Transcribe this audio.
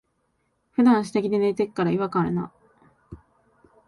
ふだん下着で寝てっから、違和感あるな。